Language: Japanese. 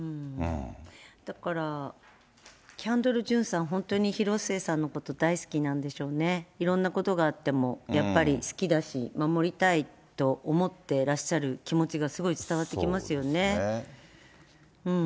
だからキャンドル・ジュンさん、本当に広末さんのことを大好きなんでしょうね、いろんなことがあっても、やっぱり好きだし、守りたいと思ってらっしゃる気持ちがすごい伝わってきますよね。